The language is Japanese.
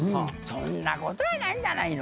そんなことはないんじゃないの？